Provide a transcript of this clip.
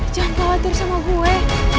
jangan khawatir sama gue